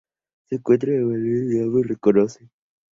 Se encuentra con Menelao, y ambos se reconocen.